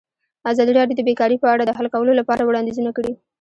ازادي راډیو د بیکاري په اړه د حل کولو لپاره وړاندیزونه کړي.